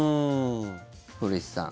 古市さん